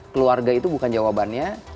keluarga itu bukan jawabannya